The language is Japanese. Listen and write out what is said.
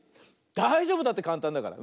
だいじょうぶだってかんたんだから。